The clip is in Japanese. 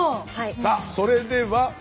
さあそれでは。